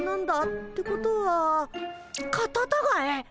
ってことはカタタガエ？